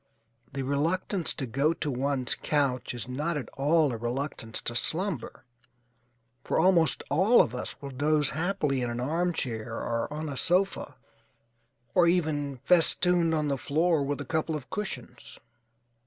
The reluctance to go to one's couch is not at all a reluctance to slumber, for almost all of us will doze happily in an armchair or on a sofa, or even festooned on the floor with a couple of cushions.